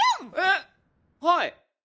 はい！